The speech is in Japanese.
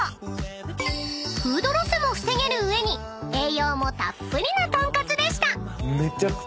［フードロスも防げる上に栄養もたっぷりな豚カツでした］